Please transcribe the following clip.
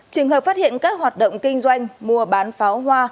trường hợp phát hiện các hoạt động kinh doanh mua bán pháo hoa